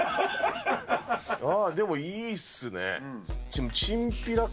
でもいいっすね。